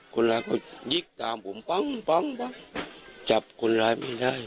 คนร้ายก็ยิกตามผมปั๊งจับคนร้ายไม่ได้